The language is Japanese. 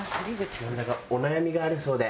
なんだかお悩みがあるそうで？